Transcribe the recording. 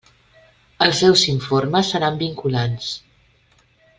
Els seus informes seran vinculants.